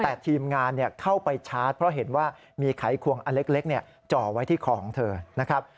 แต่ทีมงานเข้าไปชาร์จเพราะเห็นว่ามีไขควงอันเล็กจ่อไว้ที่คอของเธอนะครับ